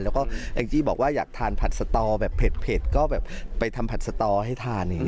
แล้วก็แองจี้บอกว่าอยากทานผัดสตอแบบเผ็ดก็แบบไปทำผัดสตอให้ทานอย่างนี้